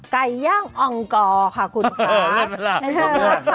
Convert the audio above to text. ไก่ย่างอังกฎค่ะคุณก๊อฟ